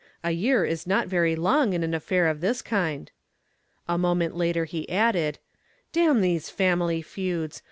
A year is not very long in an affair of this kind." A moment later he added, "Damn these family feuds!